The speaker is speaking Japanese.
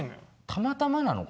たまたまなの？